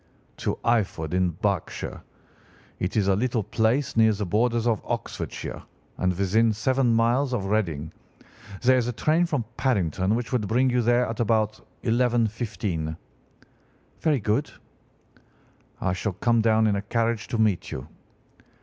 "'To Eyford, in Berkshire. It is a little place near the borders of Oxfordshire, and within seven miles of Reading. There is a train from Paddington which would bring you there at about 11:15.' "'Very good.' "'I shall come down in a carriage to meet you.